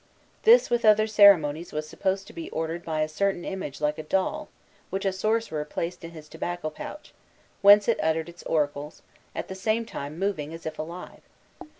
This, with other ceremonies, was supposed to be ordered by a certain image like a doll, which a sorcerer placed in his tobacco pouch, whence it uttered its oracles, at the same time moving as if alive.